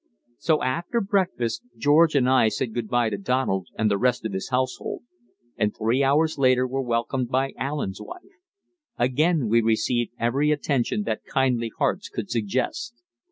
So after breakfast George and I said good bye to Donald and the rest of his household, and three hours later were welcomed by Allen's wife. Again we received every attention that kindly hearts could suggest.